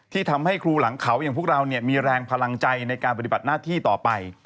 ทำให้ครูหลังเขาอย่างพวกเรามีแรงพลังใจในการปฏิบัติหน้าที่ต่อไป